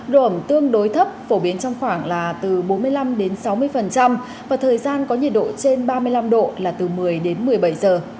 độ ẩm tương đối thấp phổ biến trong khoảng là từ bốn mươi năm sáu mươi và thời gian có nhiệt độ trên ba mươi năm độ là từ một mươi đến một mươi bảy giờ